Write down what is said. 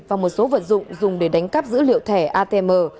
và một số vật dụng dùng để đánh cắp dữ liệu thẻ atm